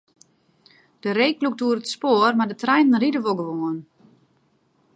De reek lûkt oer it spoar, mar de treinen ride wol gewoan.